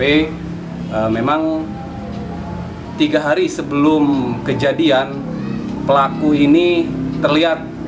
jadi memang tiga hari sebelum kejadian pelaku ini terlihat